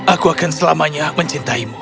aku akan selamanya mencintaimu